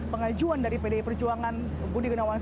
pengajuan dari pdi perjuangan budi gunawan